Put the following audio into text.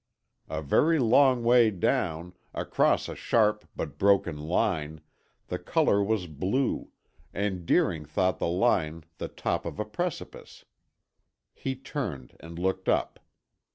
A very long way down, across a sharp but broken line, the color was blue, and Deering thought the line the top of a precipice. He turned and looked up.